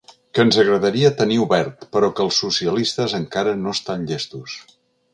Que ens agradaria tenir obert, però que els socialistes encara no estant llestos.